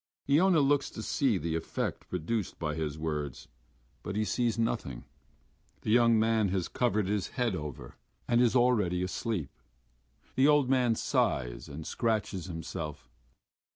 Iona looks to see the effect produced by his words, but he sees nothing. The young man has covered his head over and is already asleep. The old man sighs and scratches himself....